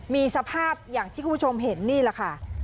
มีสภาพอย่างที่คุณผู้ชมเห็นนี่แหละค่ะ